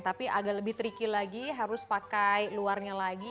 tapi agak lebih tricky lagi harus pakai luarnya lagi